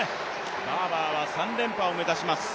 バーバーは３連覇を目指します。